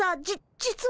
実は。